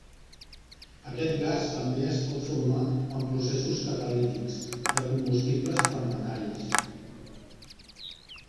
Aquest gas també es pot formar en processos catalítics de combustibles per metalls.